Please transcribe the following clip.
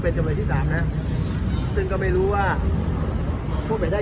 เป็นจำเลยที่สามนะฮะซึ่งก็ไม่รู้ว่าพูดไปได้